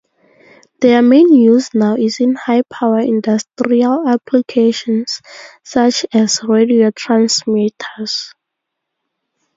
Their main use now is in high power industrial applications such as radio transmitters.